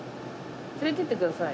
連れてって下さい。